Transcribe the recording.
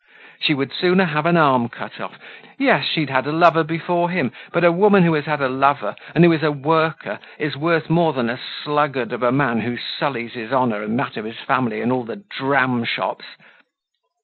She would sooner have an arm cut off. Yes, she'd had a lover before him; but a woman who has had a lover, and who is a worker, is worth more than a sluggard of a man who sullies his honor and that of his family in all the dram shops.